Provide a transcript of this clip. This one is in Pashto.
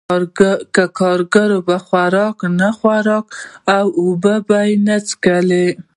که کارګر خواړه ونه خوري او اوبه ونه څښي